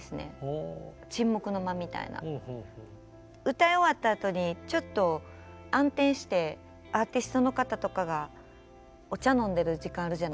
歌い終わったあとにちょっと暗転してアーティストの方とかがお茶飲んでる時間あるじゃないですか。